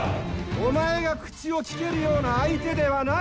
お前が口を利けるような相手ではない！